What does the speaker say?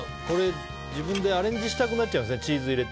自分でアレンジしたくなっちゃいますね。